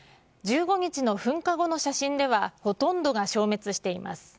１５日の噴火後の写真では、ほとんどが消滅しています。